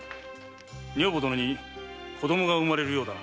女房どのに子供が生まれるようだな。